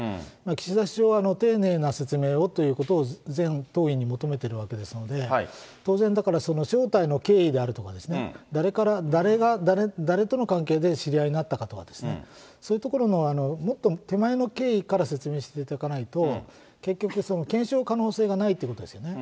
岸田首相は丁寧な説明をということを全党員に求めてるわけですので、当然、招待の経緯であるとかですね、誰が誰との関係で知り合いになったかとかですね、そういうところのもっと手前の経緯から説明していただかないと結局、検証の可能性がないということですよね。